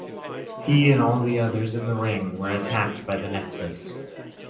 He and all the others in the ring were attacked by the Nexus.